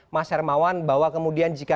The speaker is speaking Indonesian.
mas hermawan bahwa kemudian jika